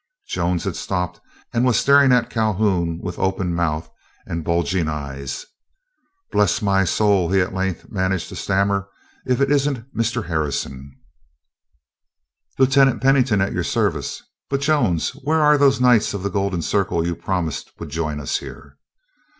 Jones had stopped and was staring at Calhoun with open mouth and bulging eyes. "Bless my soul," he at length managed to stammer, "if it isn't Mr. Harrison!" "Lieutenant Pennington, at your service. But, Jones, where are those Knights of the Golden Circle you promised would join us here?"